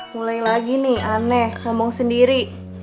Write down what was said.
mulai lagi nih aneh ngomong sendiri